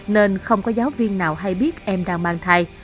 nên không có giáo viên nào hay biết em đang mang thai